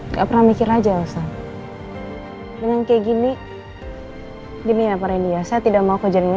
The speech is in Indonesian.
nggak pernah mikir aja usah dengan kayak gini ini ya perhenti ya saya tidak mau kejar ini